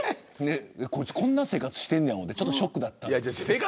こいつこんな生活してるんやと思ってショックだった。